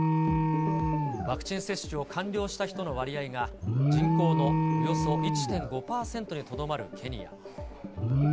ワクチン接種を完了した人の割合が、人口のおよそ１．５％にとどまるケニア。